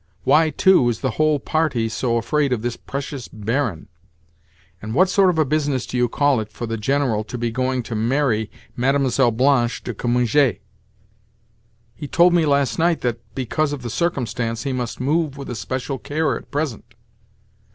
Why, too, is the whole party so afraid of this precious Baron? And what sort of a business do you call it for the General to be going to marry Mlle. Blanche de Cominges? He told me last night that, because of the circumstance, he must 'move with especial care at present.